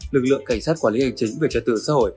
lực lượng cảnh sát quản lý hành chính về trật tự xã hội